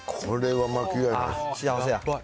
幸せや。